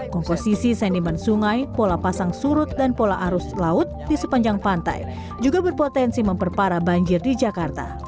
komposisi sentimen sungai pola pasang surut dan pola arus laut di sepanjang pantai juga berpotensi memperparah banjir di jakarta